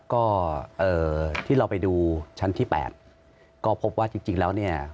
ก็ที่เราไปดูชั้นที่๘ก็พบว่าจริงแล้วเนี่ย